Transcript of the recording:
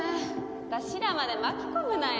私らまで巻き込むなや。